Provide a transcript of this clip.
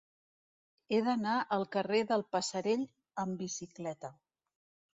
He d'anar al carrer del Passerell amb bicicleta.